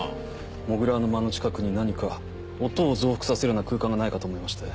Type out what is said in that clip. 土竜の間の近くに何か音を増幅させるような空間がないかと思いまして。